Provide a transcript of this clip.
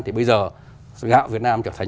thì bây giờ gạo việt nam trở thành